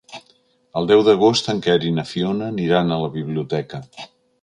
El deu d'agost en Quer i na Fiona aniran a la biblioteca.